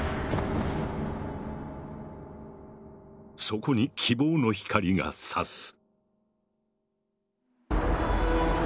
そこに希望の光がさす。